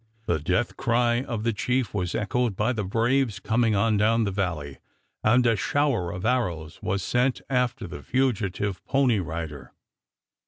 The death cry of the chief was echoed by the braves coming on down the valley, and a shower of arrows was sent after the fugitive pony rider.